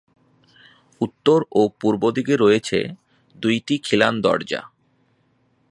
উত্তর ও পূর্ব দিকে রয়েছে দুইটি খিলান দরজা।